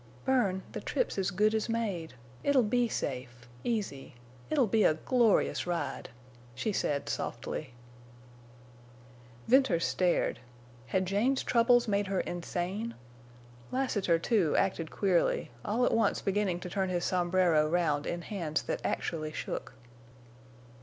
"Bern, the trip's as good as made. It'll be safe—easy. It'll be a glorious ride," she said, softly. Venters stared. Had Jane's troubles made her insane? Lassiter, too, acted queerly, all at once beginning to turn his sombrero round in hands that actually shook.